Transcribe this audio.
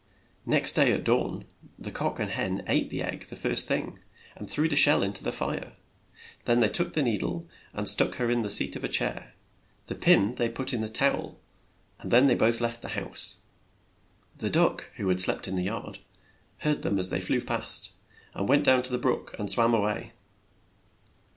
Next day at dawn the cock and hen ate the egg the first thing, and threw the shell in to the fire. Then they took the nee dle and stuck her in the seat of a chair. The pin they put in the tow el, and then they both left the house. The duck, who had slept in the yard, heard them as they flew past, and went down to the brook and swam a way.